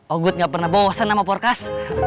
oggud gak pernah bosen sama porkas